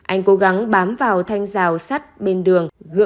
anh cố gắng bám vào thanh rào sắt bên đường